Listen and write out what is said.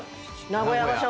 名古屋場所。